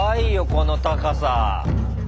この高さ。